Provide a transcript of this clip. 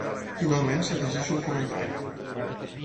Finalment s'afegeix un comentari.